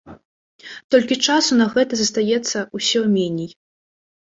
Толькі часу на гэта застаецца ўсё меней.